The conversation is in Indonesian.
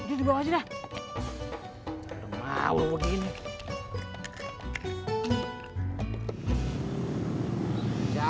udah sini aja